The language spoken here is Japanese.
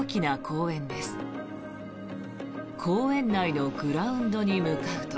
公園内のグラウンドに向かうと。